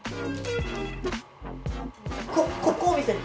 ここを見せる。